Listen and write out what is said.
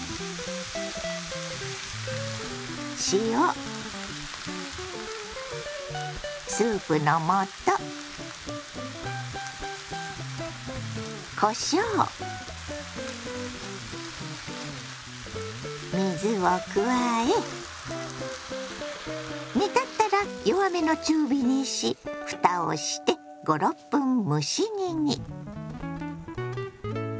塩スープの素こしょう水を加え煮立ったら弱めの中火にしふたをして５６分蒸し煮に。